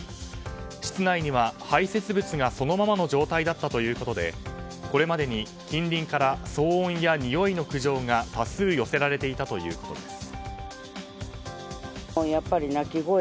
室内には、排せつ物がそのままの状態だったということでこれまでに近隣から騒音やにおいの苦情が多数寄せられていたということです。